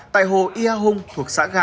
tại hồ yia hung thuộc xã gào tp hcm